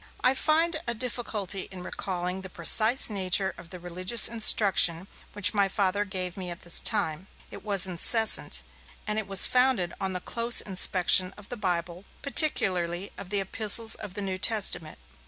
I find a difficulty in recalling the precise nature of the religious instruction which my Father gave me at this time. It was incessant, and it was founded on the close inspection of the Bible, particularly of the epistles of the New Testament.